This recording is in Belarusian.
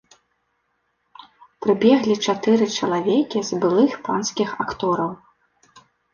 Прыбеглі чатыры чалавекі з былых панскіх актораў.